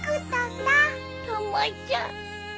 たまちゃん。